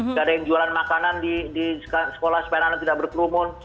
nggak ada yang jualan makanan di sekolah supaya anak tidak berkerumun